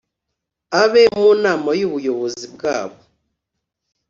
abe mu nama y ubuyobozi bwabo